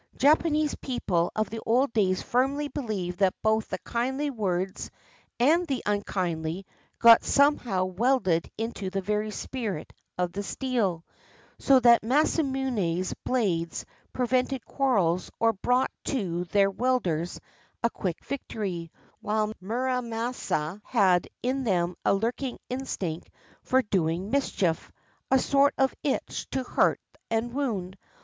" Japanese people of the old days firmly beHeved that both the kindly words and the unkindly got some how welded into the very spirit of the steel, so that Masamune's blades prevented quarrels or brought to their wielders a quick victory, while Muramasa's had in them a lurking instinct for doing mischief — a sort of itch to hurt and wound.